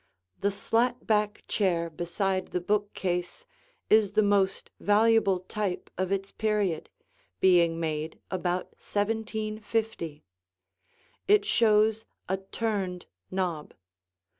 The slat back chair beside the bookcase is the most valuable type of its period, being made about 1750. It shows a turned knob.